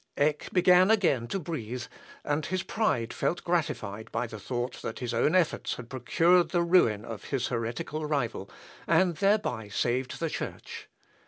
Eck began again to breathe, and his pride felt gratified by the thought that his own efforts had procured the ruin of his heretical rival, and thereby saved the church.